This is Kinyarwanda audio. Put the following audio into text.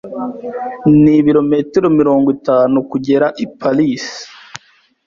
Nibirometero mirongo itanu kugera i Paris.